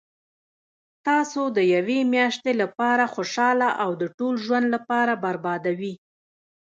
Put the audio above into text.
تاسو د یوې میاشتي لپاره خوشحاله او د ټول ژوند لپاره بربادوي